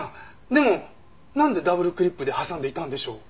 でもなんでダブルクリップで挟んでいたんでしょう？